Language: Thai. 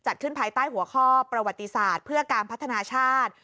ขึ้นภายใต้หัวข้อประวัติศาสตร์เพื่อการพัฒนาชาติ